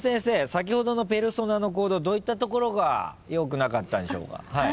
先ほどのペルソナの行動どういったところがよくなかったんでしょうか？